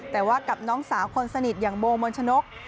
แต่ว่ากับน้องสาวคนสนิทอย่างโบมนชนก